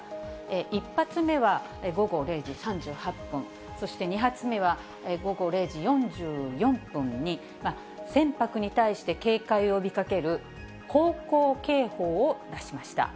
１発目は午後０時３８分、そして２発目は午後０時４４分に、船舶に対して警戒を呼びかける、航行警報を出しました。